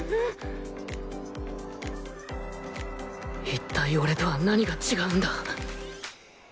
一体俺とは何が違うんだ？